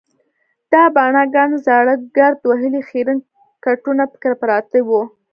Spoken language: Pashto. د باڼه ګڼ زاړه ګرد وهلي خیرن کټونه پکې پراته وو.